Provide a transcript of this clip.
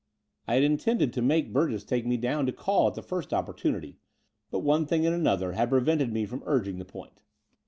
I had intended to make The Brighton Road 99 Burgess take me down to call at the first oppor tunity: but one thing and another had prevented me from urging the point.